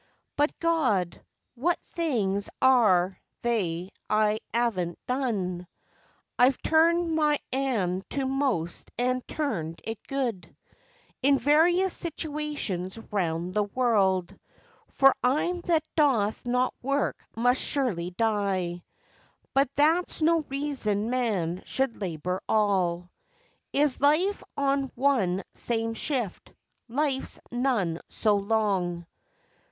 But, Gawd, what things are they I 'aven't done? I've turned my 'and to most, an' turned it good, In various situations round the world For 'im that doth not work must surely die; But that's no reason man should labour all 'Is life on one same shift; life's none so long.